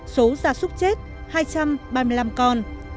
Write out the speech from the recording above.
số gia súc chết hai trăm ba mươi năm con